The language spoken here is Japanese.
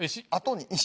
あとに？